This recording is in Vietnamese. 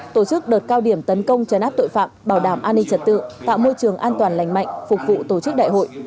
tổ chức đợt cao điểm tấn công chấn áp tội phạm bảo đảm an ninh trật tự tạo môi trường an toàn lành mạnh phục vụ tổ chức đại hội